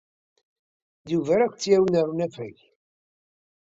D Yuba ara kent-yawin ɣer unafag.